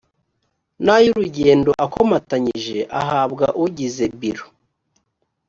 n’ay ‘urugendo akomatanyije ahabwa ugize biro